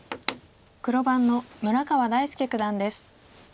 黒番の村川大介九段です。